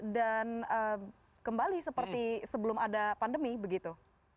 dan kembali seperti sebelum ada pandemi begitu